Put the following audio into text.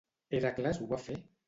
Hèracles ho va fer?